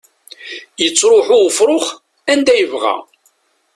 Yettruḥu ufrux anda yebɣa.